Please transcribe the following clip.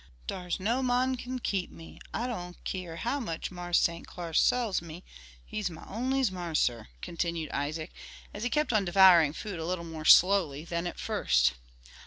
"Dar's no mon can keep me, I don't keer how much Marse St. Clar sells me; he's my onlies' marser," continued Isaac, as he kept on devouring food a little more slowly than at first.